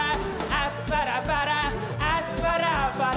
「アスパラパラアスパラパラ」